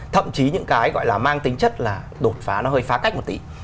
thậm chí những cái gọi là mang tính chất là đột phá nó hơi phá cách một tí